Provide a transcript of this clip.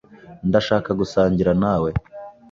Ndashaka gusangira nawe.